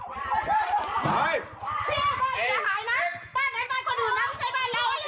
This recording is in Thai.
ออกมา